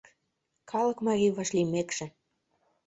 Калык марий вашлиймекше